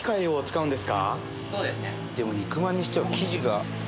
でも肉まんにしては生地が。